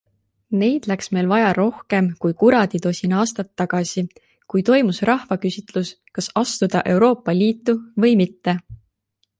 Neid läks meil vaja rohkem kui kuraditosin aastat tagasi, kui toimus rahvaküsitlus, kas astuda Euroopa Liitu või mitte.